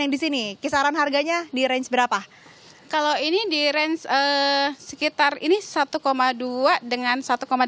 di sini kisaran harganya di range berapa kalau ini di range sekitar ini satu dua dengan